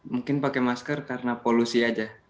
mungkin pakai masker karena polusi aja